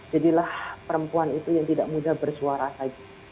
jadilah perempuan itu yang tidak mudah bersuara saja